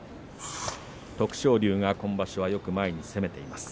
徳勝龍が今場所はよく前に攻めています。